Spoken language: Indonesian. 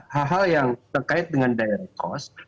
hal hal yang terkait dengan daya kos